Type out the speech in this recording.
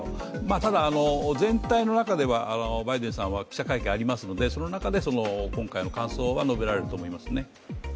ただ、全体の中ではバイデンさんは記者会見がありますので、その中で今回の感想は述べられると思いますね。